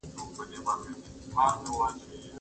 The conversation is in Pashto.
ماشوم په خندا کې له انا څخه د یوې خوږې مڼې غوښتنه وکړه.